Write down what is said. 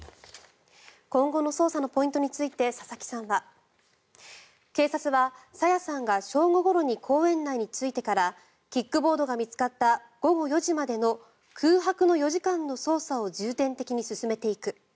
今後の捜査のポイントについて佐々木さんは警察は朝芽さんが正午ごろに公園内に着いてからキックボードが見つかった午後４時までの空白の４時間の捜査を重点的に進めていく。